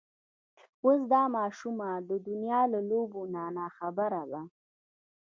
اوس دا ماشومه د دنيا له لوبو نه ناخبره ده.